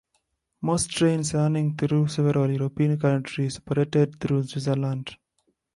Most trains running through several European countries operated through Switzerland.